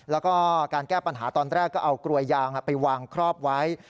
แล้วก็การแก้ปัญหาตอนแรกก็เอากลวยยางไปวางครอบไว้